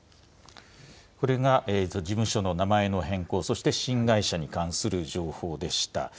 これが事務所の名前の変更、そして新会社に関する情報でした。